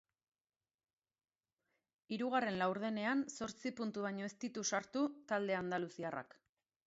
Hirugarren laurdenean zortzi puntu baino ez ditu sartu talde andaluziarrak.